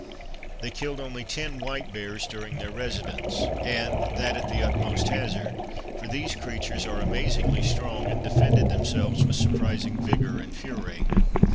They killed only ten white bears during their residence, and that at the utmost hazard, for these creatures are amazingly strong, and defended themselves with surprising vigour and fury.